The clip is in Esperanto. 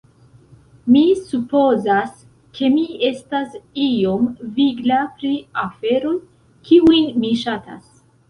... mi supozas ke mi estas iom vigla pri aferoj, kiujn mi ŝatas.